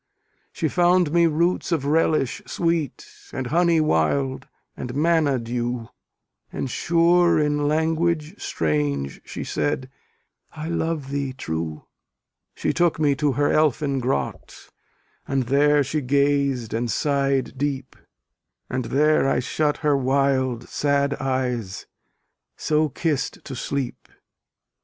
She found me roots of relish sweet, And honey wild, and manna dew; And sure in language strange she said, I love thee true. She took me to her elfin grot, And there she gaz'd and sighed deep, And there I shut her wild sad eyes So kiss'd to sleep.